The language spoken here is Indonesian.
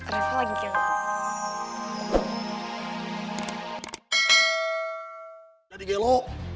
rafa lagi gelo